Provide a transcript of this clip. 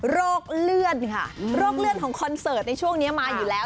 โรคเลื่อนของคอนเสิร์ตในช่วงนี้มาอยู่แล้ว